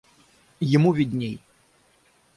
Ему видней.